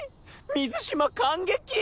水嶋感激！